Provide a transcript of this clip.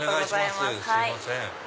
すいません。